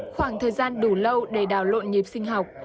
khoảng thời gian đủ lâu để đảo lộn nhịp sinh học